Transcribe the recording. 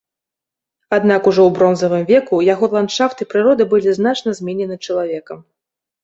Аднак ужо ў бронзавым веку яго ландшафт і прырода былі значна зменены чалавекам.